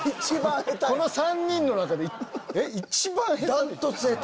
この３人の中で１番ヘタ。